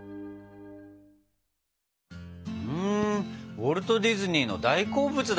ウォルト・ディズニーの大好物だったんだね。